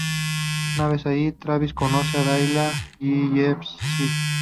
Una vez allí, Travis conoce a Dahlia Gillespie.